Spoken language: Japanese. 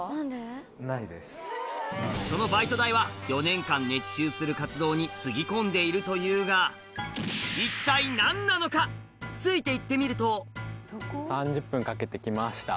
そのバイト代は４年間熱中する活動につぎ込んでいるというが一体何なのかついて行ってみると３０分かけて来ました。